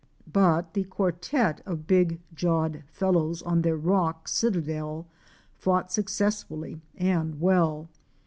But the quartet of big jawed fellows on their rock citadel fought successfully and well.